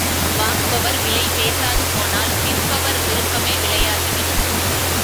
வாங்குபவர் விலை பேசாதுபோனால், விற்பவர் விருப்பமே விலையாகிவிடும்.